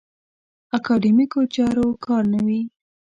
اکاډیمیکو چارو کار نه وي.